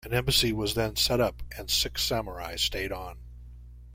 An embassy was then set up and six samurai stayed on.